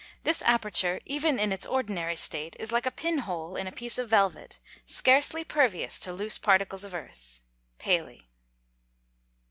This aperture, even in its ordinary state, is like a pin hole in a piece of velvet, scarcely pervious to loose particles of earth. _Paley.